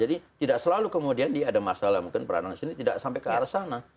jadi tidak selalu kemudian dia ada masalah mungkin peranan sini tidak sampai ke arah sana